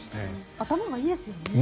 頭がいいですよね。